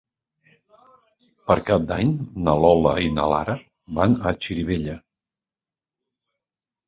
Per Cap d'Any na Lola i na Lara van a Xirivella.